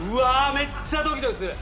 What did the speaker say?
めっちゃドキドキする！